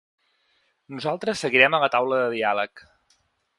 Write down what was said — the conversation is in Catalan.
Nosaltres seguirem a la taula de diàleg.